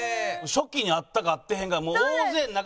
初期に会ったか会ってへんかもう大勢の中に。